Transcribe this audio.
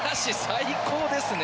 最高ですね！